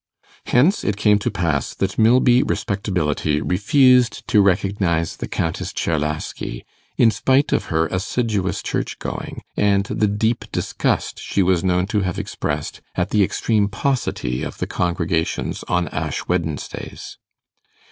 Hence it came to pass that Milby respectability refused to recognize the Countess Czerlaski, in spite of her assiduous church going, and the deep disgust she was known to have expressed at the extreme paucity of the congregations on Ash Wednesdays.